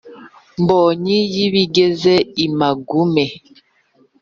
mbonyi yi bigeze i magume,